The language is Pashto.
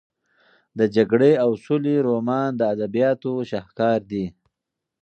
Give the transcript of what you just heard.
د جګړې او سولې رومان د ادبیاتو شاهکار دی.